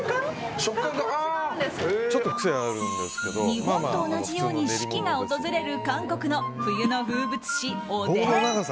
日本と同じように四季が訪れる韓国の冬の風物詩、おでん。